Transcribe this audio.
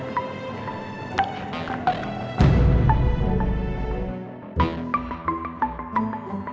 terima kasih ya